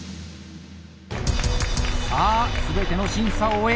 さあ全ての審査を終え